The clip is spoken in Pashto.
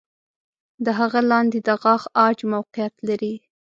د هغه لاندې د غاښ عاج موقعیت لري.